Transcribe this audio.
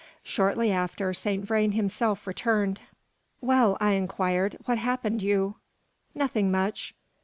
Shortly after, Saint Vrain himself returned. "Well," I inquired, "what happened you?" "Nothing much.